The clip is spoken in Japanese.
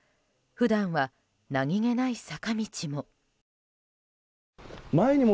普段は何気ない坂道も。